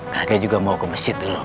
kakek juga mau ke masjid dulu